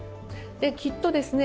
できっとですね